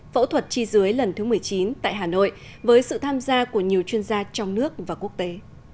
phẫu thuật chi dưới lần thứ một mươi chín tại hà nội với sự tham gia của nhiều chuyên gia trong nước và quốc tế